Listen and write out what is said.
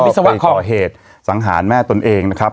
ไปก่อเหตุสังหารแม่ตนเองนะครับ